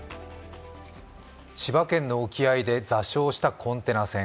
千葉県の沖合で座礁したコンテナ船。